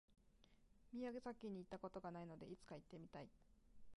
宮崎に行った事がないので、いつか行ってみたい。